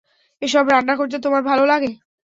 এসব রান্না করতে তোমার ভালো লাগে?